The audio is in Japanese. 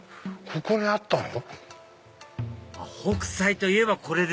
ここにあったんだ。